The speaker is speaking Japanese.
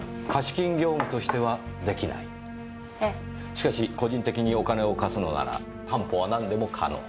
しかし個人的にお金を貸すのなら担保は何でも可能？